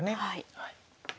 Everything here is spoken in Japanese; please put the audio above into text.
はい。